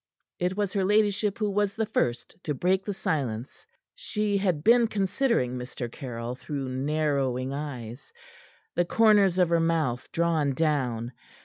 It was her ladyship who was the first to break the silence. She had been considering Mr. Caryll through narrowing eyes, the corners of her mouth drawn down.